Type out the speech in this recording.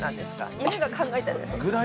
犬が考えたんですか？